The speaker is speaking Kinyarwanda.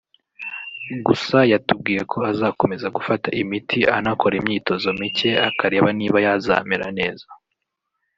Gusa yatubwiye ko azakomeza gufata imiti anakora imyitozo mike akareba niba yazamera neza